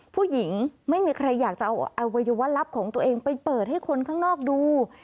ผู้หญิงไม่มีใครอยากจะเอาอวัยวะลับของตัวเองไปเปิดให้คนข้างนอกดู